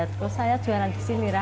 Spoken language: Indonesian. terus saya jualan di sini